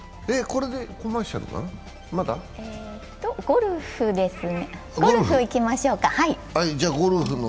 ゴルフにいきましょうか。